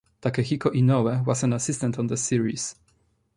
Takehiko Inoue was an assistant on the series.